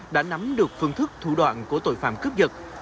đã nắm được phương thức thủ đoạn của tội phạm cướp giật